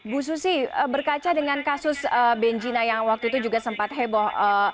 bu susi berkaca dengan kasus benjina yang waktu itu juga sempat heboh